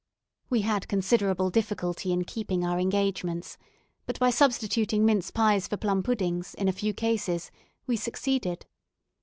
We had considerable difficulty in keeping our engagements, but by substituting mince pies for plum puddings, in a few cases, we succeeded.